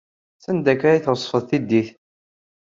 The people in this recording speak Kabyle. Sanda akka ay tɣeṣbed tiddit?